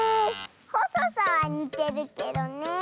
ほそさはにてるけどねえ。